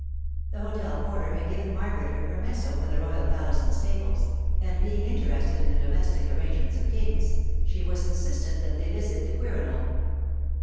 The hotel porter had given Margaret a permesso for the royal palace and stables, and being interested in the domestic arrangements of kings, she was insistent that they visit the Quirinal.